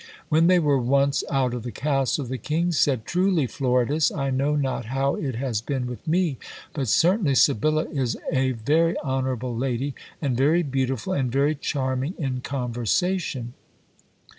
When they were once out of the castle, the king said, "Truly, Floridas, I know not how it has been with me; but certainly Sebilla is a very honourable lady, and very beautiful, and very charming in conversation.